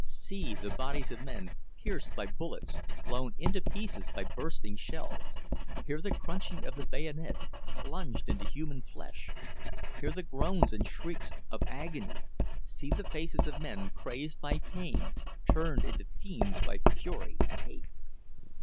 _ See the bodies of men pierced by bullets, blown into pieces by bursting shells! Hear the crunching of the bayonet, plunged into human flesh; hear the groans and shrieks of agony, see the faces of men crazed by pain, turned into fiends by fury and hate!